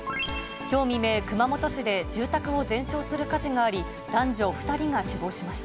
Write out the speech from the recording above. きょう未明、熊本市で住宅を全焼する火事があり、男女２人が死亡しました。